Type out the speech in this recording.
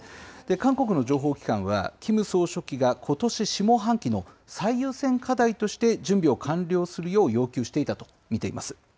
韓国の情報機関は、キム総書記がことし下半期の最優先課題として準備を完了する要求していたと見ています。